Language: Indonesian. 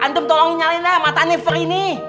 antum tolong nyalain lah mataannya free nih